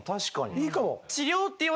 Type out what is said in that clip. いいかも。